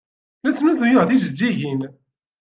La snuzuyeɣ tijeǧǧigin.